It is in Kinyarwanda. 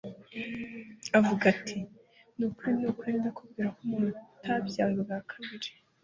avuga ati : "Ni ukuri ni ukuri ndakubwira ko umuntu utabyawe ubwa kabiri,